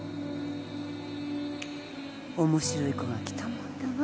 面白い子が来たもんだわ。